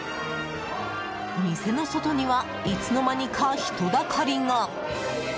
店の外にはいつの間にか、人だかりが。